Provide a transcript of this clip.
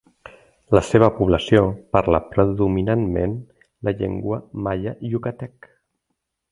La seva població parla predominantment la llengua maia yucatec.